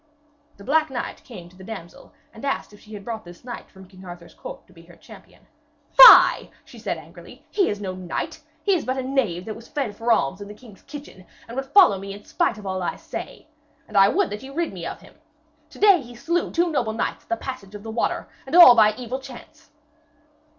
The black knight came to the damsel and asked if she had brought this knight from King Arthur's court to be her champion. 'Fie!' she said angrily, 'he is no knight. He is but a knave that was fed for alms in the king's kitchen, and would follow me in spite of all I say. And I would that you would rid me of him. To day he slew two noble knights at the passage of the water, and all by evil chance.'